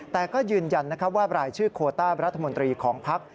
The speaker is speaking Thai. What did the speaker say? แต่ก็ยืนยันว่ารายชื่อโคต้ารัฐมนตรีของพัก